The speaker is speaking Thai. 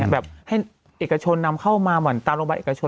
แบบให้เอกชนนำเข้ามาเหมือนตามโรงพยาบาลเอกชน